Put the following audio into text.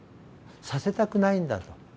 させたくないんだと。